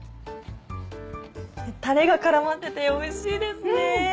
タレが絡まってておいしいですね！